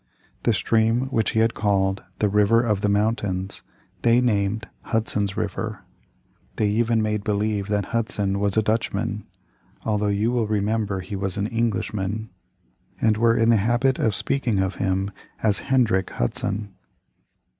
The stream which he had called "The River of the Mountains" they named Hudson's River. They even made believe that Hudson was a Dutchman although you will remember he was an Englishman and were in the habit of speaking of him as "Hendrick" Hudson.